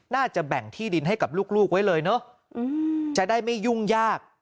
แบ่งที่ดินให้กับลูกไว้เลยเนอะจะได้ไม่ยุ่งยาก